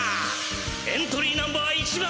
エントリーナンバー１番！